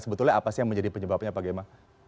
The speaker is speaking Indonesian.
sebetulnya apa sih yang menjadi penyebabnya pak gemma